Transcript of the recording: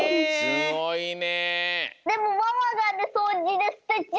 すごいね。